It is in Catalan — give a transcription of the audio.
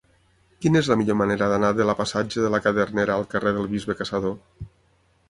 Quina és la millor manera d'anar de la passatge de la Cadernera al carrer del Bisbe Caçador?